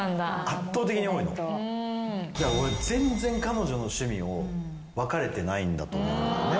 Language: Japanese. だから俺全然彼女の趣味を分かれてないんだと思うんだよね。